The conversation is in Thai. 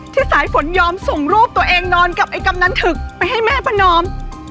สายฝนยอมส่งรูปตัวเองนอนกับไอ้กำนันถึกไปให้แม่ประนอม